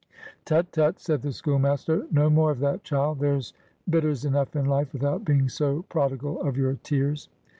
"Tut, tut!" said the schoolmaster. "No more of that, child. There's bitters enough in life, without being so prodigal of your tears."